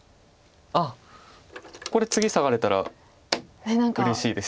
あっこれ次サガれたらうれしいです。